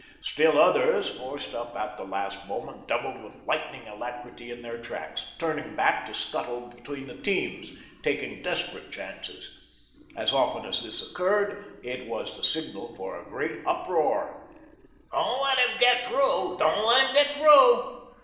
Still others, forced up at the last moment, doubled with lightning alacrity in their tracks, turning back to scuttle between the teams, taking desperate chances. As often as this occurred, it was the signal for a great uproar. "Don't let him get through; don t let him get through."